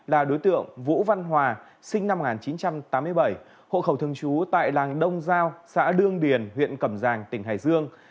là đối tượng vũ văn hòa sinh năm một nghìn chín trăm tám mươi bảy hộ khẩu thường trú tại làng đông giao xã đương điền huyện cầm giang tỉnh hải dương